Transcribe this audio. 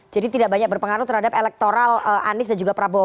jadi tidak banyak berpengaruh terhadap elektoral anies dan juga prabowo